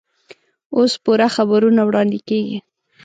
اوس پوره خبرونه واړندې کېږي.